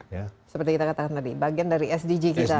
seperti kita katakan tadi bagian dari sdg kita